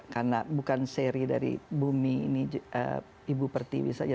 karena bukan seri dari bumi ini ibu pertiwi saja